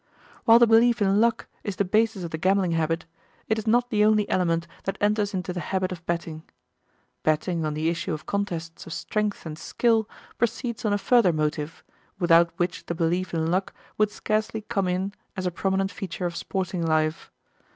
While the belief in luck is the basis of the gambling habit, it is not the only element that enters into the habit of betting. Betting on the issue of contests of strength and skill proceeds on a further motive, without which the belief in luck would scarcely come in as a prominent feature of sporting life.